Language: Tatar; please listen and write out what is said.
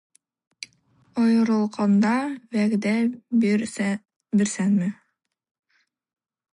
Аерылганда вәгъдә бирерсеңме